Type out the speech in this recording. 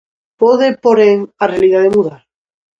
Pode, porén, a realidade mudar?